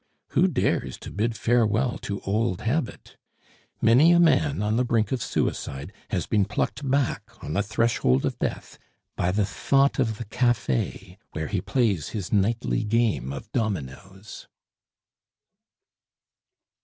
Who dares to bid farewell to old habit? Many a man on the brink of suicide has been plucked back on the threshold of death by the thought of the cafe where he plays his nightly game of dominoes.